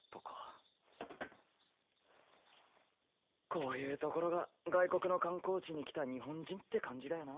こういうところが外国の観光地に来た日本人って感じだよな。